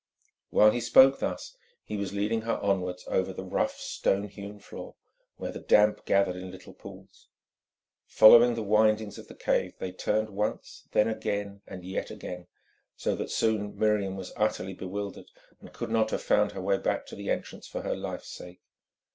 While he spoke thus he was leading her onwards over the rough, stone hewn floor, where the damp gathered in little pools. Following the windings of the cave they turned once, then again and yet again, so that soon Miriam was utterly bewildered and could not have found her way back to the entrance for her life's sake.